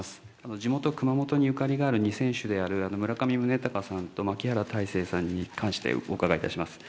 地元、熊本にゆかりがある２選手である村上宗隆さんと牧原大成さんに関してお伺いいたします。